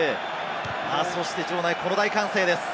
そして場内、この大歓声です。